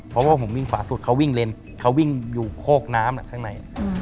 เพราะว่าผมวิ่งขวาสุดเขาวิ่งเลนเขาวิ่งอยู่โคกน้ำข้างใน